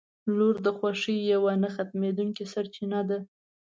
• لور د خوښۍ یوه نه ختمېدونکې سرچینه ده.